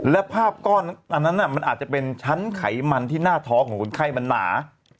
และภาพก้อนอันนั้นมันอาจจะเป็นชั้นไขมันที่หน้าท้องของคนไข้มันหนา